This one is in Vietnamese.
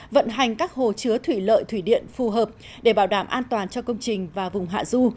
vận hành các hồ chứa thủy lợi thủy điện phù hợp để bảo đảm an toàn cho công trình và vùng hạ du